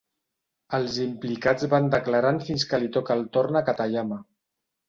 Els implicats van declarant fins que li toca el torn a Katayama.